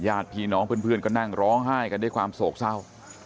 ญาติพี่น้องเพื่อนก็นั่งร้องไห้กันด้วยความโศกเศร้า